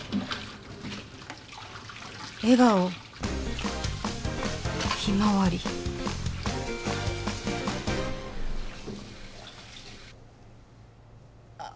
笑顔ひまわりあっ